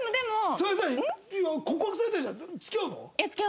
それさ告白されたりしたら付き合うの？